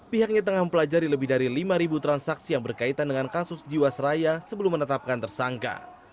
pihaknya tengah mempelajari lebih dari lima transaksi yang berkaitan dengan kasus jiwasraya sebelum menetapkan tersangka